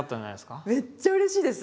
めっちゃうれしいです。